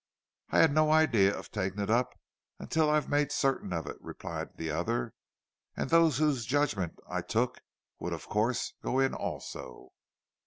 "I had no idea of taking it up until I'd made certain of it," replied the other. "And those whose judgment I took would, of course, go in also."